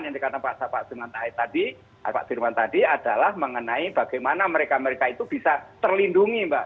yang dikatakan pak zirwan tadi adalah mengenai bagaimana mereka mereka itu bisa terlindungi mbak